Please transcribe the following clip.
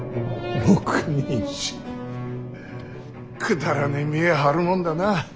くだらねえ見え張るもんだなあ。